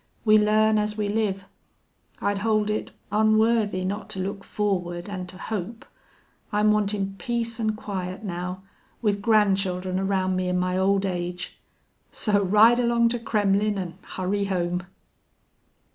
We learn as we live. I'd hold it onworthy not to look forward an' to hope. I'm wantin' peace an' quiet now, with grandchildren around me in my old age.... So ride along to Kremmlin' an' hurry home."